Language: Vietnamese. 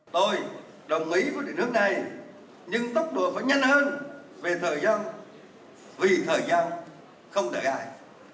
tôi đồng ý với địa nước này nhưng tốc độ phải nhanh hơn về thời gian vì thời gian không đợi ai